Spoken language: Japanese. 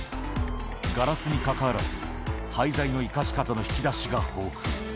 ガラスに関わらず、廃材の生かし方の引き出しが豊富。